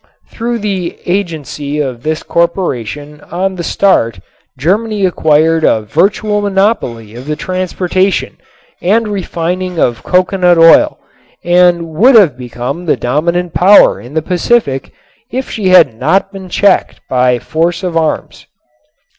Through the agency of this corporation on the start Germany acquired a virtual monopoly of the transportation and refining of coconut oil and would have become the dominant power in the Pacific if she had not been checked by force of arms.